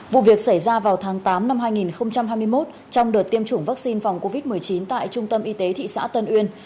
vụ việc xảy ra vào tháng tám năm hai nghìn hai mươi một trong đợt tiêm chủng vaccine phòng covid một mươi chín tại trung tâm y tế thị xã tân uyên